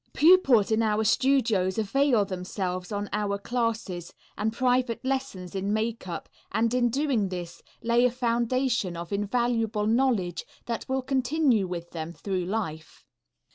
Pupils in our studios avail themselves of our classes and private lessons in makeup and in doing this lay a foundation of invaluable knowledge that will continue with them through life.